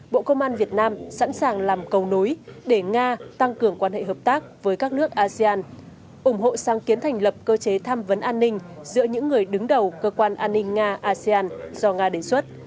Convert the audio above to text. bộ công an việt nam sẵn sàng làm cầu nối để nga tăng cường quan hệ hợp tác với các nước asean ủng hộ sang kiến thành lập cơ chế tham vấn an ninh giữa những người đứng đầu cơ quan an ninh nga asean do nga đề xuất